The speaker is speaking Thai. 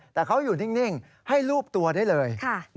แต่เขาอยู่นิ่งให้รูปตัวได้เลย